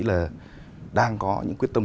là đang có những quyết tâm